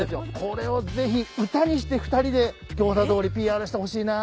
これをぜひ歌にして２人で餃子通りＰＲしてほしいな。